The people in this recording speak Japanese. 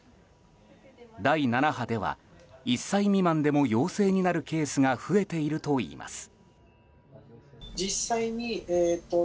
第７波では１歳未満でも陽性になるケースが増えているといいます。